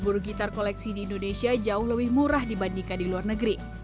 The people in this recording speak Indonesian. bagi para kolektor gitar infector bisa sangat murah dibanding di luar negre